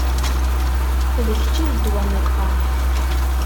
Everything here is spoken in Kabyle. D kečč i d ddwa n lqerḥ.